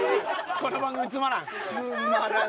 この番組つまらん？